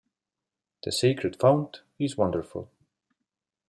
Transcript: "The Sacred Fount" is wonderful.